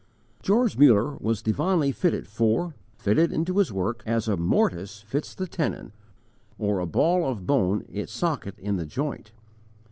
George Muller was divinely fitted for, fitted into his work, as a mortise fits the tenon, or a ball of bone its socket in the joint.